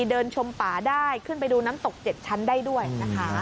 เดินชมป่าได้ขึ้นไปดูน้ำตก๗ชั้นได้ด้วยนะคะ